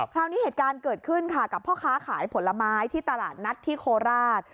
คราวนี้เหตุการณ์เกิดขึ้นค่ะกับพ่อค้าขายผลไม้ที่ตลาดนัดที่โคราช